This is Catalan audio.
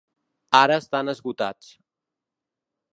Ara estan esgotats.